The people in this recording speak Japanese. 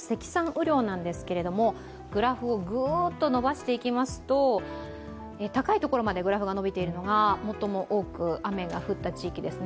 雨量なんですけれどもグラフをグッと伸ばしていきますと、高いところまでグラフが伸びているのが最も多く雨が降った地域です。